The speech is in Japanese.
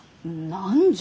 何じゃ？